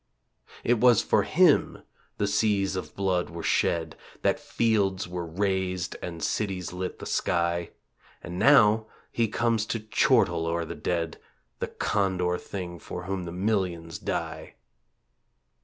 It was for him the seas of blood were shed, That fields were razed and cities lit the sky; And now he comes to chortle o'er the dead The condor Thing for whom the millions die!